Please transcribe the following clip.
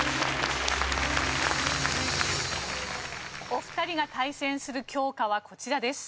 お二人が対戦する教科はこちらです。